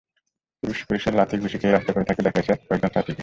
পুরুষ পুলিশের লাথি-ঘুষি খেয়ে রাস্তায় পড়ে থাকতে দেখা গেছে কয়েকজন ছাত্রীকে।